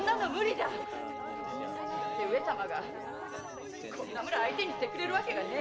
だって上様がこんな村相手にしてくれるわけがねえ。